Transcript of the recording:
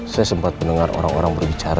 saya sempat mendengar orang orang berbicara